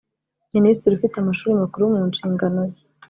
Minisitiri ufite Amashuri Makuru mu nshingano ze